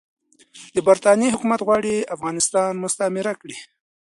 د برټانیې حکومت غواړي افغانستان مستعمره کړي.